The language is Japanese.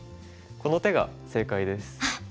この手が正解です。